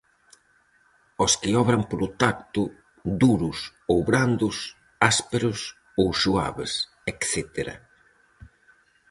Aos que obran polo tacto, "duros" ou "brandos", "ásperos" ou "suaves" etcétera.